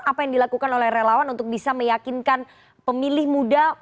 apa yang dilakukan oleh relawan untuk bisa meyakinkan pemilih muda